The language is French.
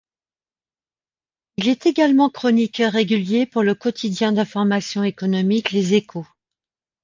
Il est également chroniqueur régulier pour le quotidien d'information économique Les Echos.